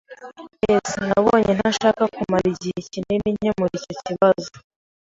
[S] Nabonye ko ntashakaga kumara igihe kinini nkemura icyo kibazo.